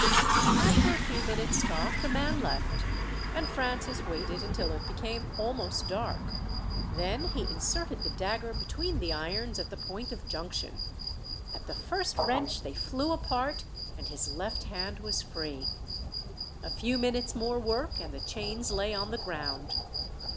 After a few minutes' talk the man left, and Francis waited until it became almost dark, then he inserted the dagger between the irons at the point of junction. At the first wrench they flew apart, and his left hand was free. A few minutes' more work and the chains lay on the ground.